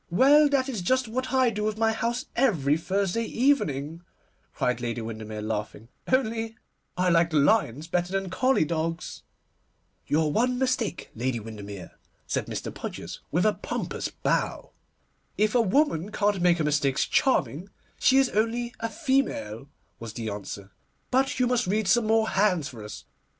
'Well, that is just what I do with my house every Thursday evening,' cried Lady Windermere, laughing, 'only I like lions better than collie dogs.' 'Your one mistake, Lady Windermere,' said Mr. Podgers, with a pompous bow. 'If a woman can't make her mistakes charming, she is only a female,' was the answer. 'But you must read some more hands for us.